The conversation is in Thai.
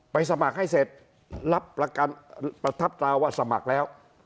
สมัครให้เสร็จรับประกันประทับตราว่าสมัครแล้ว